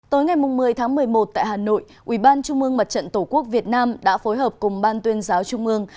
tối ngày một mươi tháng một mươi một tại hà nội ubnd tổ quốc việt nam đã phối hợp cùng ban tuyên giáo trung ương